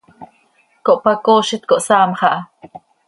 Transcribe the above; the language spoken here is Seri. Cohpacoozit, cohsaamx aha.